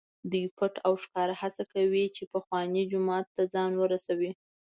دوی پټ او ښکاره هڅه کوي چې پخواني جومات ته ځان ورسوي.